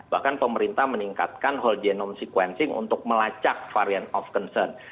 bahkan pemerintah meningkatkan whole genome sequencing untuk melacak variant of concern